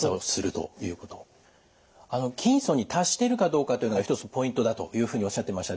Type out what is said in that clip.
筋層に達しているかどうかというのが一つのポイントだというふうにおっしゃってました。